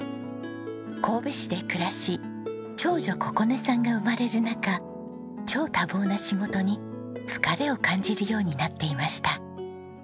神戸市で暮らし長女心音さんが生まれる中超多忙な仕事に疲れを感じるようになっていました。